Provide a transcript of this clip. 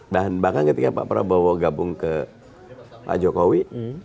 dan bahkan ketika pak prabowo gabung ke pak jokowi